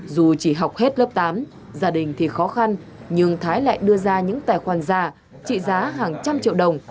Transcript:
dù chỉ học hết lớp tám gia đình thì khó khăn nhưng thái lại đưa ra những tài khoản giả trị giá hàng trăm triệu đồng